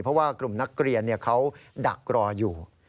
เพราะว่ากลุ่มนักเรียนเขาดักรออยู่